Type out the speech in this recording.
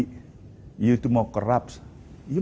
anda itu mau kerabat